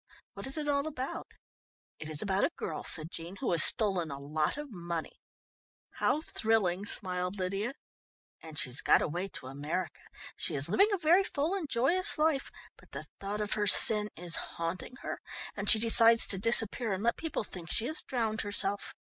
"What is it all about?" "It is about a girl," said Jean, "who has stolen a lot of money " "How thrilling!" smiled Lydia. "And she's got away to America. She is living a very full and joyous life, but the thought of her sin is haunting her and she decides to disappear and let people think she has drowned herself.